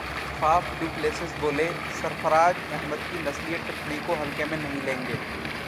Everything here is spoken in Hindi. फाफ डु प्लेसिस बोले- सरफराज अहमद की नस्लीय टिप्पणी को हल्के में नहीं लेंगे